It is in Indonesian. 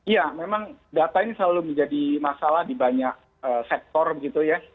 ya memang data ini selalu menjadi masalah di banyak sektor gitu ya